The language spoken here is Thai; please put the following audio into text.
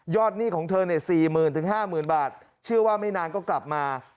ยอดหนี้ของเธอเนี่ย๔๐๐๐๐ถึง๕๐๐๐๐บาทเชื่อว่าไม่นานก็กลับมา